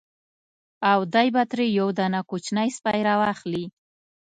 او دی به ترې یو دانه کوچنی سپی را واخلي.